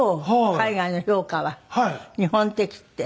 海外の評価は日本的って。